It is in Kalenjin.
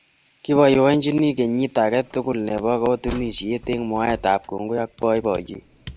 kiboibochinii kenyiit age tugulnebo kotunisieet eng mwaetab kongoi ak boiboiyeet